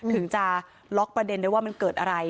ถึงจะล็อกประเด็นได้ว่ามันเกิดอะไร